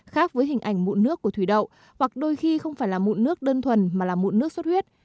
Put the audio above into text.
khác với hình ảnh mụn nước của thủy đậu hoặc đôi khi không phải là mụn nước đơn thuần mà là mụn nước suốt huyết